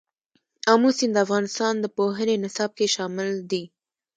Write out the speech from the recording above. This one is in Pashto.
آمو سیند د افغانستان د پوهنې نصاب کې شامل دي.